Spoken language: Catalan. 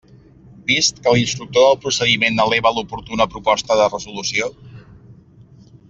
Vist que l'instructor del procediment eleva l'oportuna proposta de resolució.